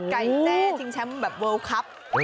ไก่แจ้ชิงช้ำแบบเวิลคลับ